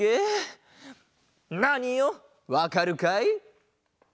ナーニよわかるかい？